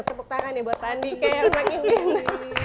tepuk tangan ya buat andika yang makin cinta